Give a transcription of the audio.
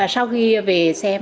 sau khi về xem